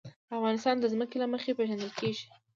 افغانستان د ځمکه له مخې پېژندل کېږي.